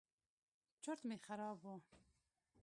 چورت مې خراب و.